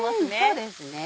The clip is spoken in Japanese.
そうですね。